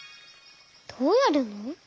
どうやるの？